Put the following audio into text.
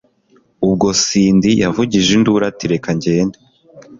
ubwo cindy yavugije induru ati 'reka ngende